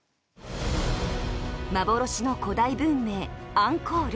幻の古代文明、アンコール。